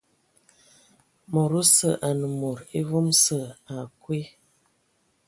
Mod osə anə mod evom sə akwi.